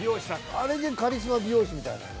あれでカリスマ美容師みたいなの。